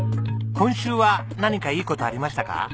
今週は何かいい事ありましたか？